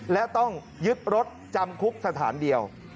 และต้องยึดรถจำคุกสถานเดียว